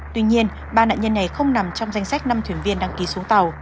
tuy nhiên ba nạn nhân này không nằm trong danh sách năm thuyền viên đăng ký xuống tàu